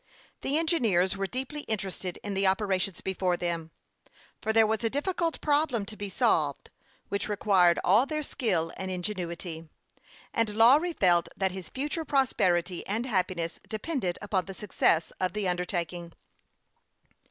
The engineers were deeply interested in the operations before them, for there was a difficult problem to be solved, which required all their skill and ingenuity ; and Lawry felt that his future pros perity and happiness depended in a very great meas ure upon the success of the undertaking.